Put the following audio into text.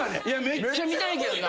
めっちゃ見たいけどな。